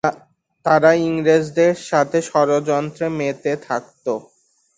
তারা ইংরেজদের সাথে ষড়যন্ত্রে মেতে থাকত।